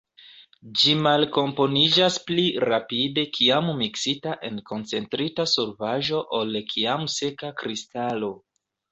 Ĝi malkomponiĝas pli rapide kiam miksita en koncentrita solvaĵo ol kiam seka kristalo.